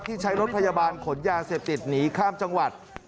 ที่ใช้รถพยาบาลขนยาเศรษฐิตหนีข้ามจังหวัด